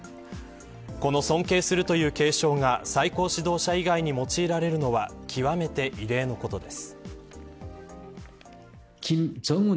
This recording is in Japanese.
この尊敬するという敬称が最高指導者以外に用いられるのは極めて異例のことです。